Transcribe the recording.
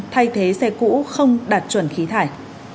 thay thế xe cũ không đạt chuẩn khí thải